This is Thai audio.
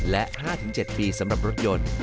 และ๕๗ปีสำหรับรถยนต์